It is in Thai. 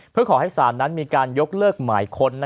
เพื่อขอให้ศาลนั้นมีการยกเลิกหมายค้น